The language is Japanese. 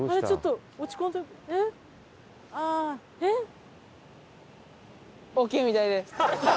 ちょっと落ち込んでる。